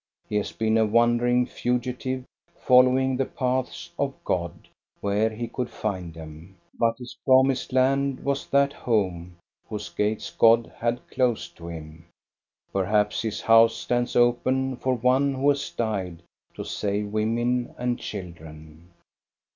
He has been a wandering fugitive, following the paths of God where he could find them ; but his promised land was that home whose gates God had closed to him. Per haps his house stands open for one who has died to save women and children.